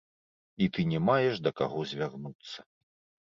І ты не маеш да каго звярнуцца.